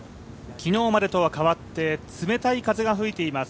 昨日までとは変わって冷たい風が吹いています